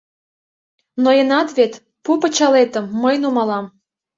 Ноенат вет, пу пычалетым — мый нумалам.